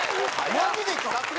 マジでか！？